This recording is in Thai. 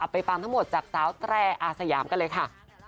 ไปฟังทั้งหมดจากสาวแตรอาสยามกันเลยค่ะ